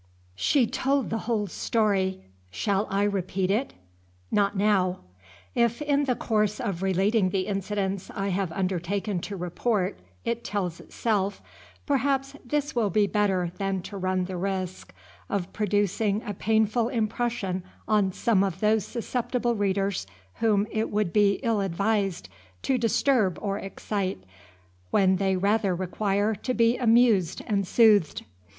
She told the whole story; shall I repeat it? Not now. If, in the course of relating the incidents I have undertaken to report, it tells itself, perhaps this will be better than to run the risk of producing a painful impression on some of those susceptible readers whom it would be ill advised to disturb or excite, when they rather require to be amused and soothed.